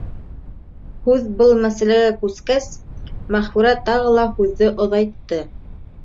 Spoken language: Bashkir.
Һүҙ был мәсьәләгә күскәс, Мәғфүрә тағы ла һүҙҙе оҙайтты.